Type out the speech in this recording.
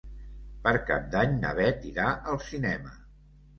Per Cap d'Any na Bet irà al cinema.